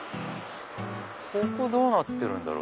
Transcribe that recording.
ここどうなってるんだろう？